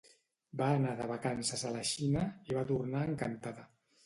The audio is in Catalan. Va anar de vacances a la Xina, i va tornar encantada.